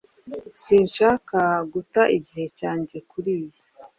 Sinshaka guta igihe cyanjye kuriyi.